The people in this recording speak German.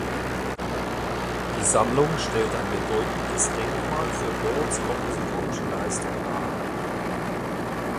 Die Sammlung stellt ein bedeutendes Denkmal für Byrds kompositorische Leistung dar.